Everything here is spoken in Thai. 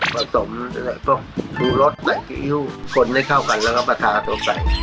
ผสมแล้วก็ดูรสได้กิ้วคนได้เข้ากันแล้วก็มาทาตัวไก่